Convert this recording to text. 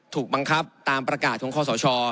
ถูกบังคับตามประกาศของข้อสช